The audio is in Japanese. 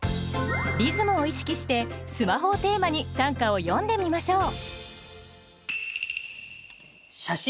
リズムを意識して「スマホ」をテーマに短歌を詠んでみましょう。